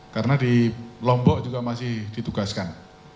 karena di lombok juga masih ditugaskan